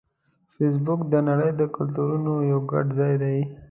فېسبوک د نړۍ د کلتورونو یو ګډ ځای دی